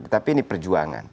tapi ini perjuangan